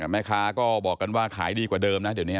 แม่ค้าก็บอกกันว่าขายดีกว่าเดิมนะ